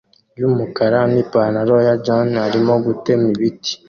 yumukara nipantaro ya jean arimo gutema ibit